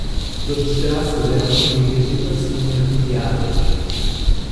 Suas desgraças eram antigas e pareciam irremediáveis.